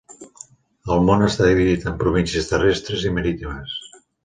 El món està dividit en províncies terrestres i marítimes.